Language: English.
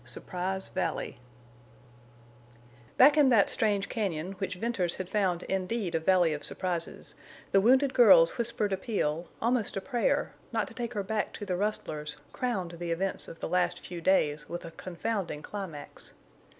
SURPRISE VALLEY Back in that strange cañon, which Venters had found indeed a valley of surprises, the wounded girl's whispered appeal, almost a prayer, not to take her back to the rustlers crowned the events of the last few days with a confounding climax.